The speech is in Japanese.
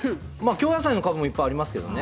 京野菜のかぶも、いっぱいありますよね。